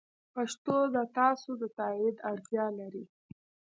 پښتو د تاسو د تایید اړتیا لري.